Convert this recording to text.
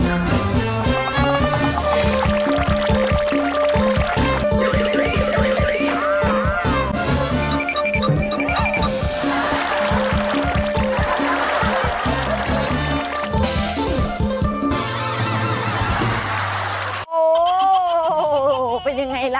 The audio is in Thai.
โอ้โฮเป็นอย่างไรล่ะ